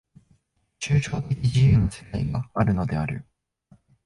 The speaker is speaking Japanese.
抽象的自由の世界があるのである。